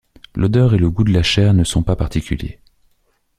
L'odeur et le goût de la chair ne sont pas particuliers.